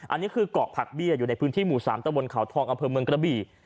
อันนี้คือเกาะผักเบี้ยอยู่ในพื้นที่หมู่๓ตะบนเขาทองอำเภอเมืองกระบี่